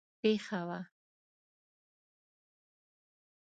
پېښه وه.